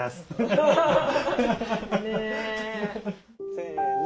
せの。